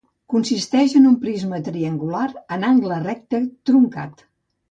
Consisteix en un prisma triangular en angle recte truncat.